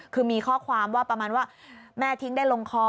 คือมีข้อความว่าประมาณว่าแม่ทิ้งได้ลงคอ